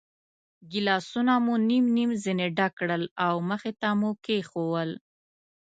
ګیلاسونه مو نیم نیم ځنې ډک کړل او مخې ته مو کېښوول.